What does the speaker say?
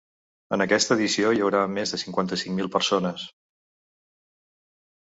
En aquesta edició hi haurà més de cinquanta-cinc mil persones.